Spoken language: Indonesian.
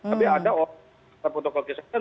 tapi ada orang yang melanggar protokol kejahatan